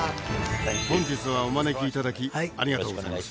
本日はお招きいただきありがとうございます。